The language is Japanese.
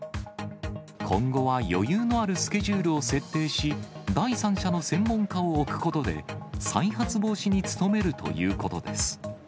今後は余裕のあるスケジュールを設定し、第三者の専門家を置くことで、再発防止に努めるということです。